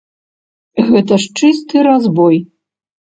Гэта ж чысты разбой!